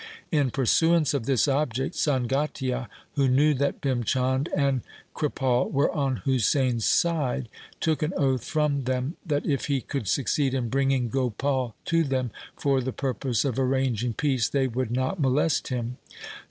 In pursuance of this object, Sangatia, who knew that Bhim Chand and Kripal were on Husain' s side, took an oath from them that if he could succeed in bringing Gopal to them for the purpose of arranging peace, they would not molest him.